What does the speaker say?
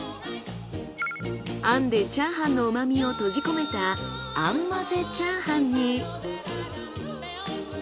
餡でチャーハンの旨みを閉じ込めた餡まぜチャーハンに。